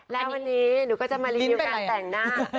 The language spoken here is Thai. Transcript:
และวันนี้หนูก็จะมารีวิวการแต่งหน้า